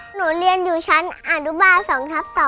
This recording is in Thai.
หนูเรียนอยู่ชั้นอนุบาล๒ทับ๒